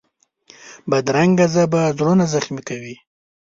بدرنګه ژبه زړونه زخمي کوي